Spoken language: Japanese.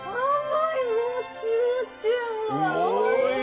甘いもちもち